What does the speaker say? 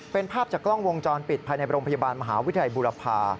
เป็นภาพจากกล้องวงจรปิดภายในโรงพยาบาลมหาวิทยาลัยบุรพา